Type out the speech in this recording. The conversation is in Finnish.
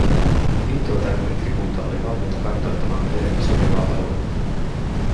Intoa täynnä retkikunta oli valmiina kartoittamaan leirille sopivaa aluetta.